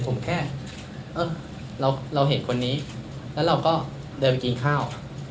ผมแค่เราเห็นคนนี้แล้วเราก็เดินไปกินข้าว